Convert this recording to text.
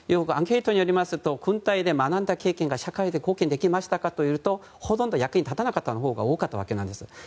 アンケートによりますと軍隊で学んだ経験が社会で貢献できましたかというとほとんど役に立たなかったが多かったわけです。